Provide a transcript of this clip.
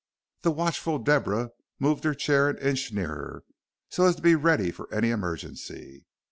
The watchful Deborah moved her chair an inch nearer, so as to be ready for any emergency.